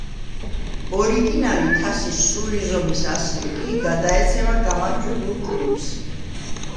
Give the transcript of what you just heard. ორიგინალი თასის სრული ზომის ასლი კი გადაეცემა გამარჯვებულ კლუბს.